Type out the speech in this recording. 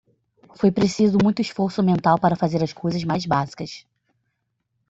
Foi preciso muito esforço mental para fazer as coisas mais básicas.